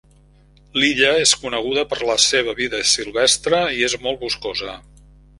L'illa és coneguda per la seva vida silvestre i és molt boscosa.